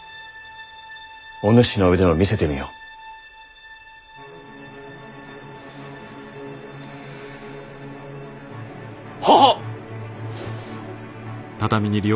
お主の腕を見せてみよ。ははっ！